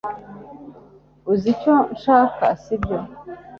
Uzi icyo nshaka, sibyo?